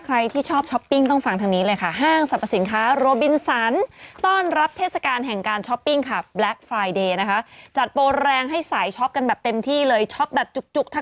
ใครที่ชอบช้อปปิงต้องฟังทางนี้เลยค่ะ